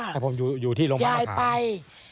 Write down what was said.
ให้ผมอยู่ที่โรงพยาบาลด้านขา